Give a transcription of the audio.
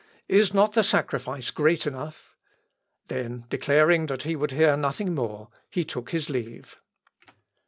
Is not the sacrifice great enough?" Then declaring that he would hear nothing more, he took his leave.